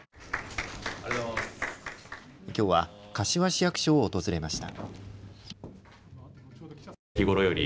きょうは柏市役所を訪れました。